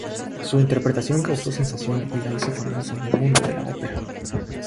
Su interpretación causó sensación, y la hizo famosa en el mundo de la ópera.